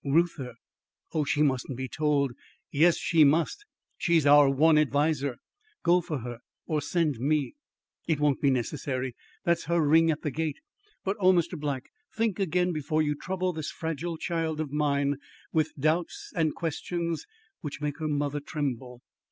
"Reuther? Oh, she mustn't be told " "Yes, she must. She's our one adviser. Go for her or send me." "It won't be necessary. There's her ring at the gate. But oh, Mr. Black, think again before you trouble this fragile child of mine with doubts and questions which make her mother tremble."